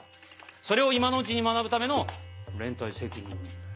それを今のうちに学ぶための連帯責任なんだよ。